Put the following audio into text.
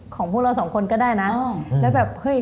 ของพวกเราสองคนก็ได้นะ